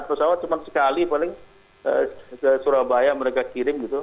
pesawat cuma sekali paling ke surabaya mereka kirim gitu